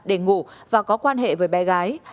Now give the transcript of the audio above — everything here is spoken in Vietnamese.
để ngủ và có quan hệ với bé gái